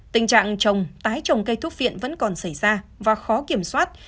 tình trạng trồng tái trồng cây thuốc viện vẫn còn xảy ra và khó kiểm soát